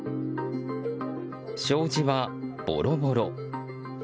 障子はボロボロ。